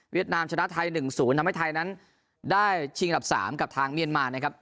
เวียดนามชนะไทยหนึ่งศูนย์ทำให้ไทยนั้นได้ชิงอันดับสามกับทางเมียนมารนะครับ